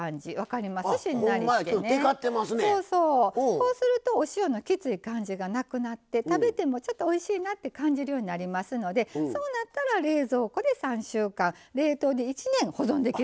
こうするとお塩のきつい感じがなくなって食べてもちょっとおいしいなって感じるようになりますのでそうなったら冷蔵庫で３週間冷凍で１年保存できるので。